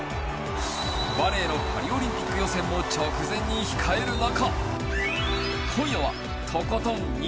バレーのパリオリンピック予選も直前に控える中